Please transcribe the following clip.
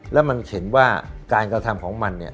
แล้วมันเห็นว่าการกระทำของมันเนี่ย